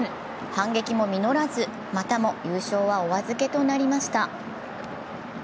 反撃も実らず、またも優勝はお預けとなりました。